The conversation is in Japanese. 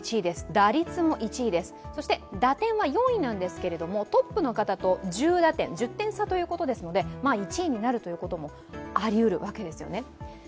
打率も１位です、打点は４位なんですけどトップの方と１０打点、１０点差ということですので、１位になることもありうるわけですよね。